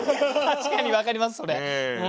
確かに分かりますそれ。